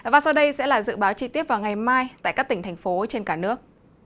và sau đây sẽ là dự báo chi tiết vào ngày mai tại các tỉnh thành phố trên cả nước